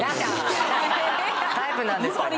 タイプなんですから！